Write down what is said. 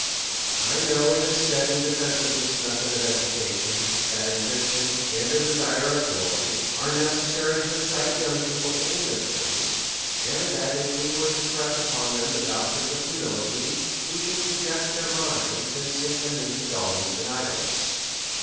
1 know it is said in defence of this method of educa tion, that ambition, and a desire of glory,, are nccessa DEVOUT AND HOLY LIFE. 237 vy to excite young people to industry ; and that if we were to press upon them the doctrines of humility^ we should deject their minds, and sink them into dulness and idleness.